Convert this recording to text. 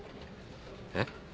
えっ？